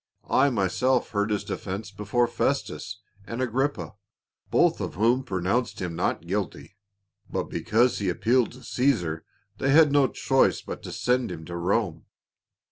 I myself heard his defense before Festus and Agrippa, both of whom pronounced hi.n not guilt}" ; but be "BEABY TO BE OFFERED:' 4^3 cause he appealed to Caesar they had no choice but to send him to Rome.